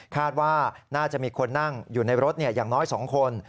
คาดว่าน่าจะมีคนนั่งอยู่ในรถอย่างน้อย๒คน